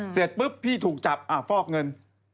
เสร็จปุ๊บพี่ถูกจับฟอกเงิน